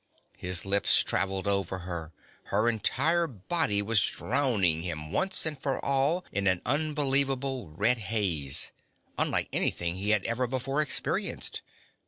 His lips traveled over her; her entire body was drowning him once and for all in an unbelievable red haze, unlike anything he had ever before experienced